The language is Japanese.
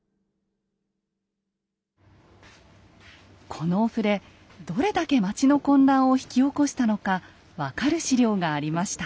このお触れどれだけ町の混乱を引き起こしたのか分かる史料がありました。